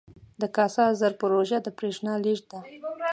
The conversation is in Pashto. د کاسا زر پروژه د بریښنا لیږد ده